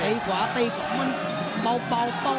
ไอ้ขวาตีมันเบาเบา